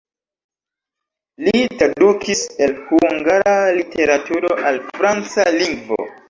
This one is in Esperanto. Li tradukis el hungara literaturo al franca lingvo.